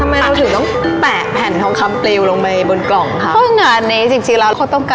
หรือว่าในเนื้อเพลง